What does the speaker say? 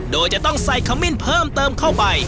โดยจะต้องใส่ขมิ้นเพิ่มเติมเข้าไป